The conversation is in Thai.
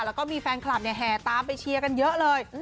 แล้วก็มีแฟนคลับแห่ตามไปเชียร์กันเยอะเลย